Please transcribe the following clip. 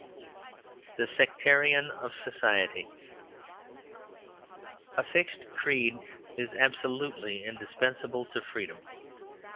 THE SECTARIAN OF SOCIETY A fixed creed is absolutely indispensable to freedom.